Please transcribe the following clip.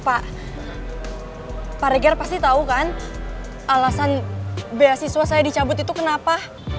pak pak reger pasti tau kan alasan beasiswa saya dicabut itu kenapa